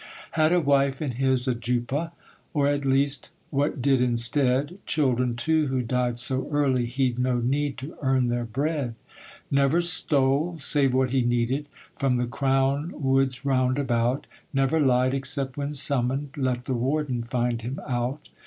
Had a wife in his ajoupa Or, at least, what did instead; Children, too, who died so early, He'd no need to earn their bread. Never stole, save what he needed, From the Crown woods round about; Never lied, except when summoned Let the warden find him out.